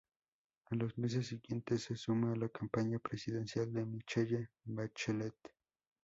En los meses siguientes se suma a la campaña presidencial de Michelle Bachelet.